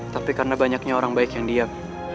tapi karena banyaknya orang baik yang diam